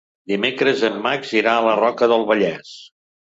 Dimecres en Max irà a la Roca del Vallès.